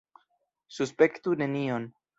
Suspektu nenion.